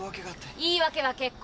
言い訳は結構。